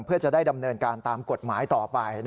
เพื่อจะได้ดำเนินการตามกฎหมายต่อไป